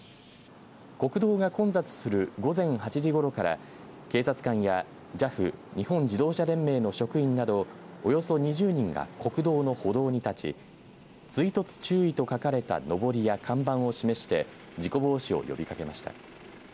国道が混雑する午前８時ごろから警察官やＪＡＦ日本自動車連盟の職員などおよそ２０人が国道の歩道に立ち追突注意と書かれたのぼりや看板を示して事故防止を呼びかけました。